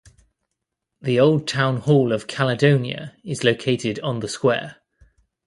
The Old Town Hall of Caledonia is located on the square.